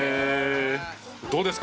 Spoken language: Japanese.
どうですか？